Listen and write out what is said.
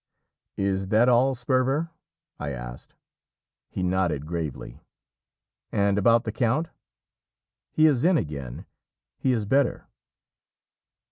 '" "Is that all, Sperver?" I asked. He nodded gravely. "And about the count?" "He is in again. He is better."